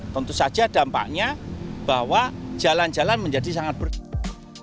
tentu saja dampaknya bahwa jalan jalan menjadi sangat berbeda